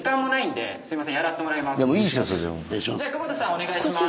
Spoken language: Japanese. お願いします。